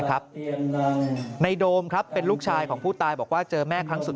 ในโดมครับเป็นลูกชายของผู้ตายบอกว่าเจอแม่ครั้งสุด